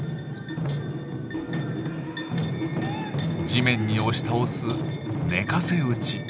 地面に押し倒す寝かせ打ち。